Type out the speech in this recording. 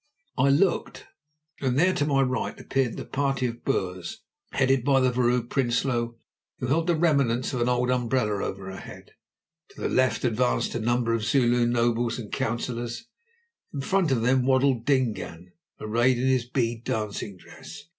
I looked, and there to my right appeared the party of Boers, headed by the Vrouw Prinsloo, who held the remnants of an old umbrella over her head. To the left advanced a number of Zulu nobles and councillors, in front of whom waddled Dingaan arrayed in his bead dancing dress.